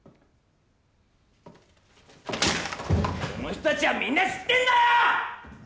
この人達はみんな知ってんだよ！